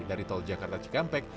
dari tol jakarta cikampek